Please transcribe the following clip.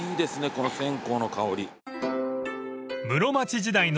この線香の香り。